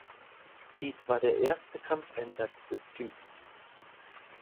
Dies war der erste Kampfeinsatz des Typs.